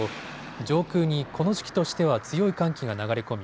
上空にこの時期としては強い寒気が流れ込み